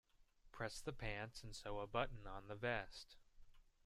Press the pants and sew a button on the vest.